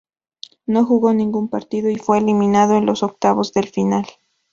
No jugó ningún partido, y fue eliminado en los octavos de final.